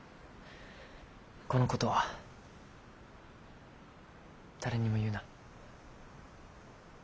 このことは誰にも言うな。